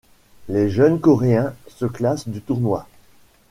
Les jeunes coréens se classent du tournoi.